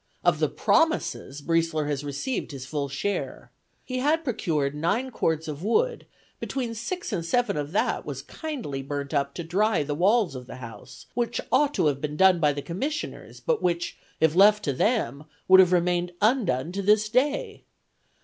Of the promises Briesler has received his full share. He had procured nine cords of wood; between six and seven of that was kindly burnt up to dry the walls of the house, which ought to have been done by the commissioners, but which, if left to them, would have remained undone to this day.